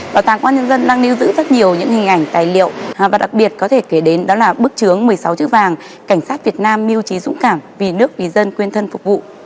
bảo tàng công an nhân dân đang lưu giữ rất nhiều những hình ảnh tài liệu và đặc biệt có thể kể đến đó là bức chướng một mươi sáu chữ vàng cảnh sát việt nam miêu trí dũng cảm vì nước vì dân quyên thân phục vụ